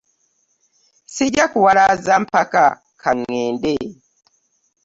Ssijja kuwalaza mpaka ka ŋŋende.